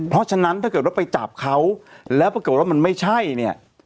เพราะฉะนั้นถ้าเกิดว่าไปจับเขาแล้วปรากฏว่ามันไม่ใช่เนี่ย